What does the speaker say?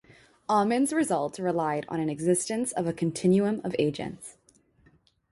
Aumann's result relied on an existence of a continuum of agents.